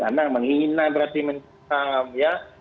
anda menghina berarti mencetam ya